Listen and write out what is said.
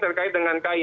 terkait dengan k y